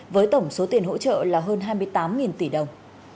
với tổng số tiền hỗ trợ là hơn hai mươi tám tỷ đồng